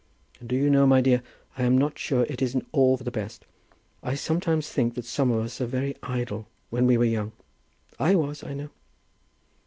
And do you know, my dear, I am not sure that it isn't all for the best. I sometimes think that some of us were very idle when we were young. I was, I know."